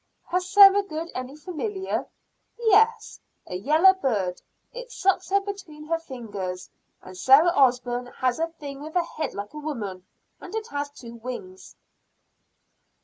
"Has Sarah Good any familiar?" "Yes, a yeller bird. It sucks her between her fingers. And Sarah Osburn has a thing with a head like a woman, and it has two wings."